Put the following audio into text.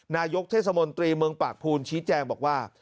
นายกเทศมนตรีเมืองปากภูนชี้แจงบอกว่า